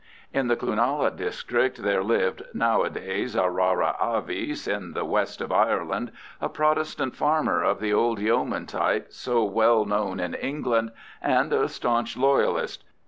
In the Cloonalla district there lived, nowadays a rara avis in the west of Ireland, a Protestant farmer of the old yeoman type so well known in England, and a staunch Loyalist.